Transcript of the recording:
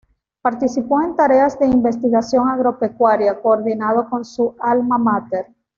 Participó en tareas de investigación agropecuaria coordinado con su Alma Mater.